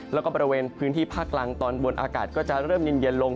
แล้วก็บริเวณพื้นที่ภาคกลางตอนบนอากาศก็จะเริ่มเย็นลง